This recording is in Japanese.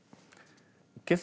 けさ